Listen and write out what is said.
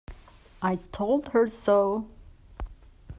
I told her so.